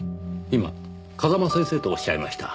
今風間先生とおっしゃいました。